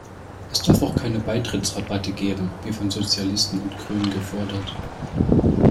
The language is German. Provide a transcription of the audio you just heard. Es darf auch keine Beitrittsrabatte geben, wie von Sozialisten und Grünen gefordert.